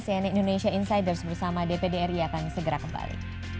sian indonesia insiders bersama dpdri akan segera kembali